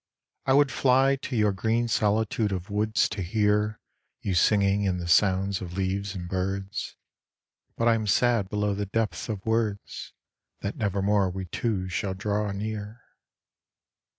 I would fly To your green solitude of woods to hear You singing in the sounds of leaves and birds ; But I am sad below the depth of words That nevermore we two shall draw anear.